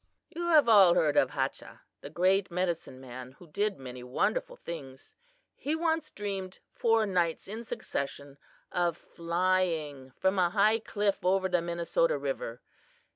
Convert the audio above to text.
"You have all heard of Hachah, the great medicine man, who did many wonderful things. He once dreamed four nights in succession of flying from a high cliff over the Minnesota river.